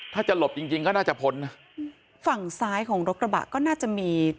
ถ้าจะหลบจริงจริงก็น่าจะพ้นนะฝั่งซ้ายของรถกระบะก็น่าจะมี